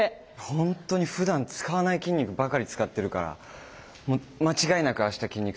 本当にふだん使わない筋肉ばかり使ってるからもう間違いなく明日筋肉痛です。